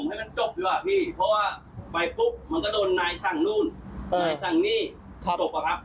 ให้มันจบดีกว่าพี่เพราะว่าไปปุ๊บมันก็โดนนายสั่งนู่นนายสั่งหนี้ตกอะครับ